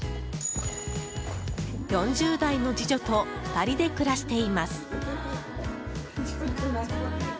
４０代の次女と２人で暮らしています。